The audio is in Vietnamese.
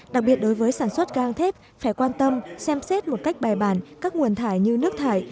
đặc biệt đối với sản xuất gang thép phải quan tâm xem xét một cách bài bản các nguồn thải như nước thải